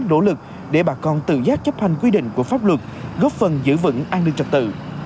nỗ lực để bà con tự giác chấp hành quy định của pháp luật góp phần giữ vững an ninh trật tự